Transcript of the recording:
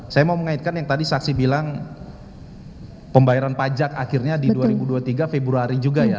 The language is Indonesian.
saya mau mengaitkan yang tadi saksi bilang pembayaran pajak akhirnya di dua ribu dua puluh tiga februari juga ya